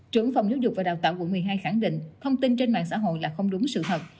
trưởng phòng giáo dục và đào tạo quận một mươi hai khẳng định thông tin trên mạng xã hội là không đúng sự thật